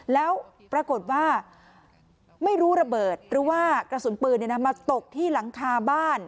แล้วปรากฏว่าไม่รู้ระเบิดหรือว่ากระสุนปืนมาตกที่หลังคาบ้าน